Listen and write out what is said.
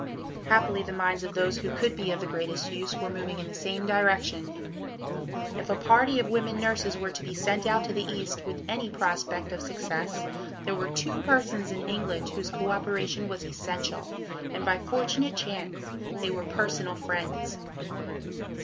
Happily the minds of those who could be of the greatest use were moving in the same direction. If a party of women nurses were to be sent out to the East with any prospect of success, there were two persons in England whose co operation was essential, and by fortunate chance they were personal friends.